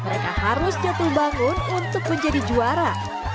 mereka harus jatuh bangun untuk menjadi juara